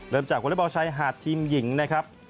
เริ่มจากวัลย์บอลชัยหาดทีมหญิงนะครับ